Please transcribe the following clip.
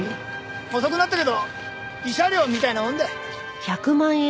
遅くなったけど慰謝料みたいなもんだ。